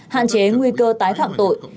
hạn chế nguy cơ tái phạm tội